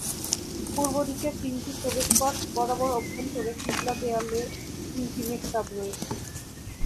পূর্বদিকের তিনটি প্রবেশ পথ বরাবর অভ্যন্তরে কিবলা দেয়ালে তিনটি মিহরাব রয়েছে।